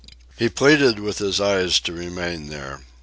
He pleaded with his eyes to remain there.